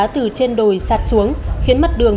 từ trên đồi sạt xuống khiến mặt đường